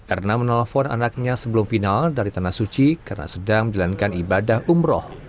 erna menelpon anaknya sebelum final dari tanah suci karena sedang menjalankan ibadah umroh